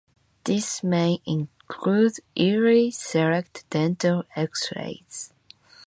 This may include yearly, select dental X-rays.